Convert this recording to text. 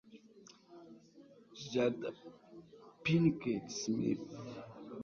jada pinkett smith